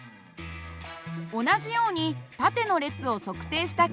同じように縦の列を測定した結果がこちら。